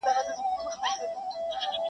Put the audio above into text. له قصرونو د نمرود به پورته ږغ د واویلا سي-